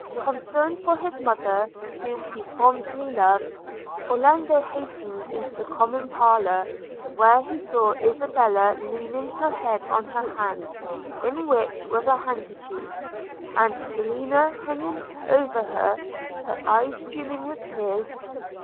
Concerned for his mother, whom he fondly loved, Orlando hastened into the common parlour, where he saw Isabella leaning her head on her hand, in which was a handkerchief, and Selina hanging over her, her eyes streaming with tears.